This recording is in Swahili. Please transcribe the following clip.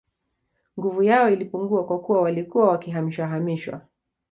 Nguvu yao ilipungua kwa kuwa walikuwa wakihamishwa hamishwa